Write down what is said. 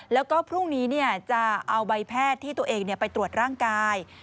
แล้วก็พรุ่งนี้จะเอาใบแพทย์ที่ตัวเองไปตรวจร่างกาย